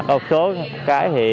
có một số cái thì